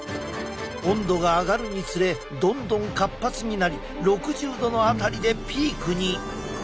温度が上がるにつれどんどん活発になり６０℃の辺りでピークに。